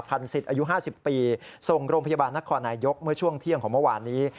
สิทธิ์อายุ๕๐ปีส่งโรงพยาบาลนครนายยกเมื่อช่วงเที่ยงของเมื่อวานนี้